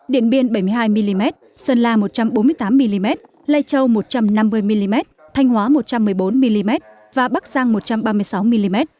điện biên bảy mươi hai mm sơn la một trăm bốn mươi tám mm lây châu một trăm năm mươi mm thanh hóa một trăm một mươi bốn mm và bắc giang một trăm ba mươi sáu mm